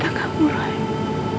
jangan nanya francisco